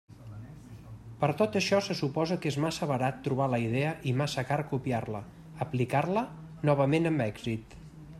Per a tot això se suposa que és massa barat trobar la idea i massa car copiar-la, aplicar-la novament amb èxit.